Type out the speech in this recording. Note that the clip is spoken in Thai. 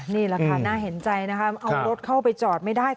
นี่แหละค่ะน่าเห็นใจนะคะเอารถเข้าไปจอดไม่ได้